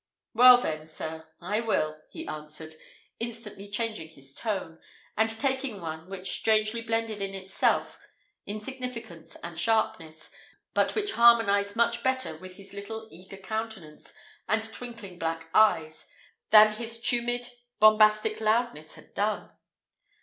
"Well, then, sir, I will," he answered, instantly changing his tone, and taking one which strangely blended in itself insignificance and sharpness, but which harmonized much better with his little eager countenance and twinkling black eyes, than his tumid, bombastic loudness had done.